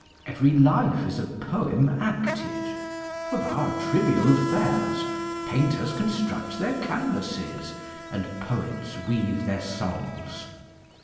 Every life is a poem acted : of our trivial affairs painters construct their canvases, and poets weave their songs.